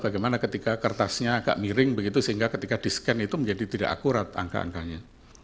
bagaimana ketika kertasnya agak miring begitu sehingga ketika di scan itu menjadi tidak akurat angka angkanya